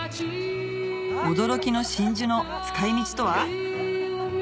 驚きの真珠の使い道とは？